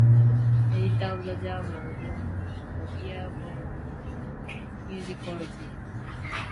Editor of the "German Yearbook of Musicology".